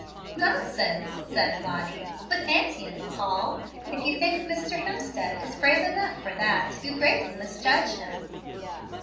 "Nonsense!" said Lottie; "with auntie in the hall? If you think Mr. Hemstead is brave enough for that, you greatly misjudge him."